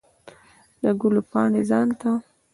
د ګلو پاڼې ځان ته